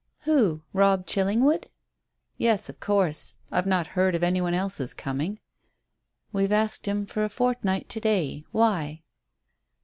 "Who? Robb Chillingwood?" "Yes, of course. I've not heard of any one else's coming." "We've asked him for a fortnight to day. Why?"